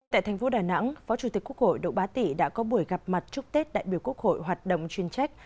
tại thành phố đà nẵng phó chủ tịch quốc hội độ bá tị đã có buổi gặp mặt chúc tết đại biểu quốc hội hoạt động chuyên trách